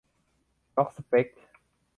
"ล็อกสเป็ค" ?